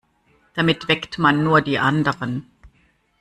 Damit weckt man nur die anderen.